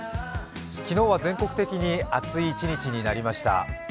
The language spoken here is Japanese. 昨日は、全国的に暑い一日になりました。